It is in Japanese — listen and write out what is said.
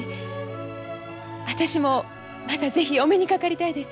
私もまた是非お目にかかりたいです。